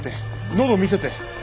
喉を見せて！